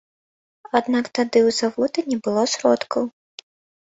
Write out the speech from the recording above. Аднак тады ў завода не было сродкаў.